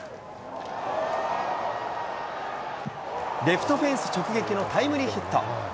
レフトフェンス直撃のタイムリーヒット。